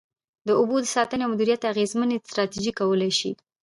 د اوبو د ساتنې او مدیریت اغیزمنې ستراتیژۍ کولای شي.